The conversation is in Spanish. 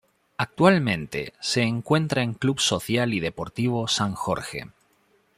Actualmente se encuentra en Club Social y Deportivo San Jorge.